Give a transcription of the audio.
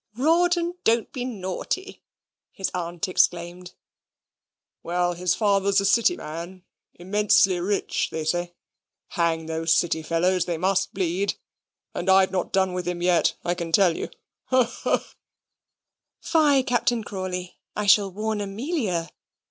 "Rawdon, don't be naughty!" his aunt exclaimed. "Well, his father's a City man immensely rich, they say. Hang those City fellows, they must bleed; and I've not done with him yet, I can tell you. Haw, haw!" "Fie, Captain Crawley; I shall warn Amelia.